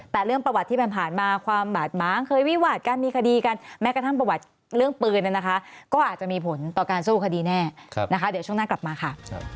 แต่เรื่องประวัติที่ผ่านมาความบาดม้างเคยวิวาดกันมีคดีกันแม้กระทั่งประวัติเรื่องปืนนะคะก็อาจจะมีผลต่อการสู้คดีแน่นะคะเดี๋ยวช่วงหน้ากลับมาค่ะ